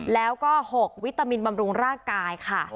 แล้วก็๖วิตามินบำรุงร่างกายค่ะ